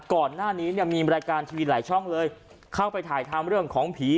ก่อนหน้านี้เนี่ยมีรายการทีวีหลายช่องเลยเข้าไปถ่ายทำเรื่องของผี